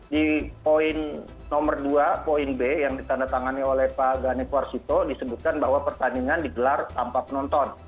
di poin nomor dua poin b yang ditandatangani oleh pak ganep warsito disebutkan bahwa pertandingan digelar tanpa penonton